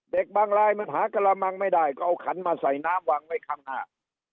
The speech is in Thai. บางรายมันหากระมังไม่ได้ก็เอาขันมาใส่น้ำวางไว้ข้างหน้า